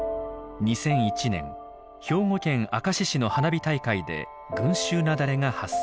２００１年兵庫県明石市の花火大会で群集雪崩が発生。